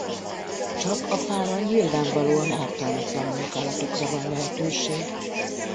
Csak a fára nyilvánvalóan ártalmatlan munkálatokra van lehetőség.